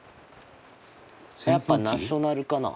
やっぱナショナルかな？